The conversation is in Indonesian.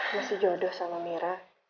masih jodoh sama mira